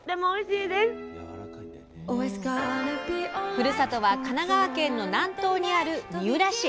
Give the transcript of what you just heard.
ふるさとは神奈川県の南東にある三浦市。